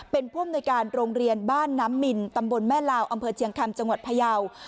เป็นผู้อำนวยการโรงเรียนบ้านน้ำมินตำบลแม่ลาวอำเภอเชียงคำจังหวัดพยาว